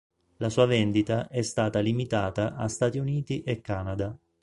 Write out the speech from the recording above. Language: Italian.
La sua vendita è stata limitata a Stati Uniti e Canada.